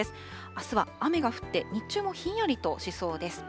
あすは雨が降って、日中もひんやりとしそうです。